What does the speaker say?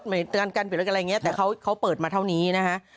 หมายถึงการเปลี่ยนรถอะไรอย่างเงี้ยแต่เขาเปิดมาเท่านี้นะฮะ